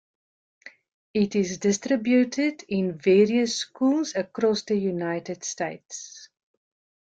It is distributed in various schools across the United States.